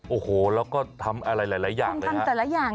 โอ้โหแล้วก็ทำอะไรหลายอย่างเลยทำแต่ละอย่าง